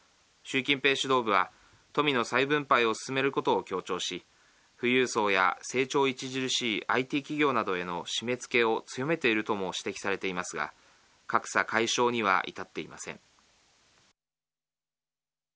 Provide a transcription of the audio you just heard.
習近平指導部は富の再分配を進めることを強調し富裕層や成長著しいＩＴ企業などへの締めつけを強めているとも指摘されていますが格差解消には至っていません。